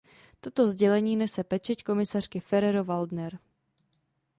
Toto sdělení nese pečeť komisařky Ferrero-Waldner.